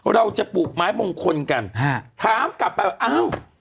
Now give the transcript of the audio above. ปลูกไม้มงคลกันฮะถามกลับไปว่าอ้าว